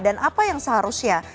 dan apa yang seharusnya